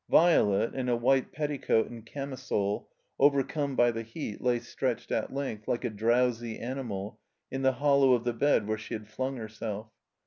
Violet, in a white petticoat and camisole, overcome by the heat, lay stretched at length, like a drowsy animal, in the hollow of the bed where she had flung herself.